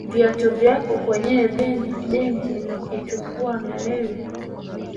viatu vyako kwenye begi na kuchukua na wewe